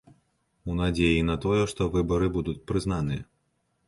У надзеі на тое, што выбары будуць прызнаныя.